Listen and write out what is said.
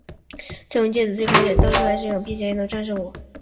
这种戒指最开始造出来时是一种辟邪用的装饰物。